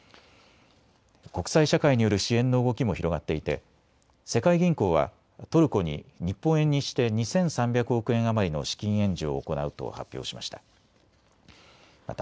国際社会による支援の動きも広がっていて世界銀行はトルコに日本円にして２３００億円余りの資金援助を行うと発表しました。